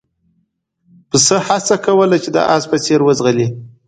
پسه هڅه کوله چې د اس په څېر وځغلي.